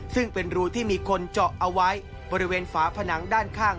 ซึ่งเป็นรูที่มีคนเจาะเอาไว้บริเวณฝาผนังด้านข้าง